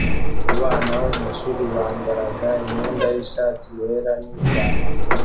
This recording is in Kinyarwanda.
Abana bo mwishuri bambaraga imyenda yishati yera nipantaro